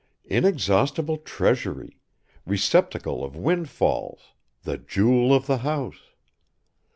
Inexhaustible treasury, receptacle of windfalls, the jewel of the house!